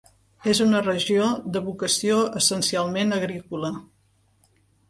És una regió de vocació essencialment agrícola.